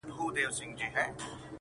تاوېدی له ډېره درده قهرېدلی!.